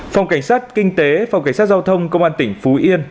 phòng cảnh sát kinh tế phòng cảnh sát giao thông công an tỉnh phú yên